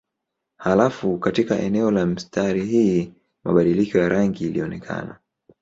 Halafu katika eneo la mistari hii mabadiliko ya rangi ilionekana.